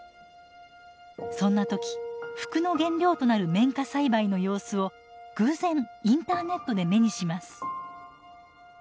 そんな時服の原料となる綿花栽培の様子を偶然インターネットで目にします。